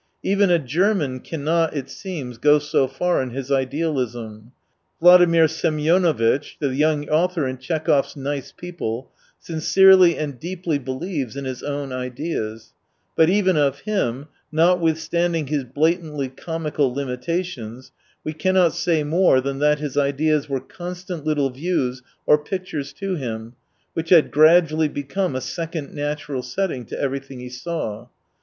Even a German cannot, it seems, go so far in his " idealism." Vladimir Semionovitch, the young author in Tchekhov's Nice People, sincerely and deeply believes in his own ideas, but even of him, notwithstanding his blatantly comical limitations, we cannot say more than that his ideas were constant little views or pictures to him, which had gradually become a second natural setting to everything he saw.